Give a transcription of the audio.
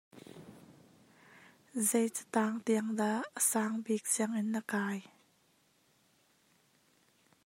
Zei cataang tiang dah a sang bik sianginn na kai?